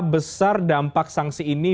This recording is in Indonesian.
besar dampak sanksi ini